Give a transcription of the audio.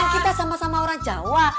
kita sama sama orang jawa